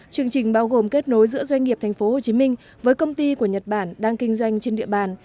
chương trình bao gồm kết nối giữa doanh nghiệp tp hcm với công ty của nhật bản đang kinh doanh trên địa bàn